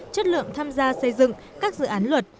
chất lượng tham gia xây dựng các dự án luật